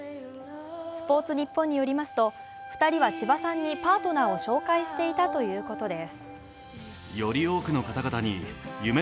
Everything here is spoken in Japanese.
「スポーツニッポン」によると２人は千葉さんにパートナーを紹介していたということです。